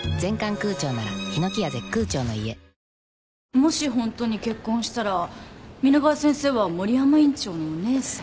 もし本当に結婚したら皆川先生は森山院長のお義姉さん。